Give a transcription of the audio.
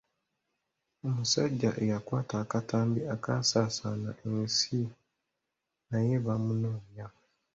Omusajja eyakwata akatambi akaasaasaana ensi naye bamunoonya.